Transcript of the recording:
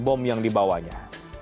bom yang dibawanya